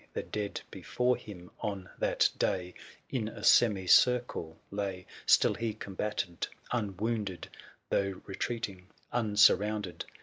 The dead before him, on that day, In a semicircle lay ; 740 Still he combated un wounded, Though retreating, unsurrounded.